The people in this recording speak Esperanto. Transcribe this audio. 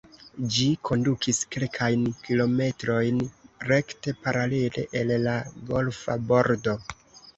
Ĝi kondukis kelkajn kilometrojn rekte paralele al la golfa bordo.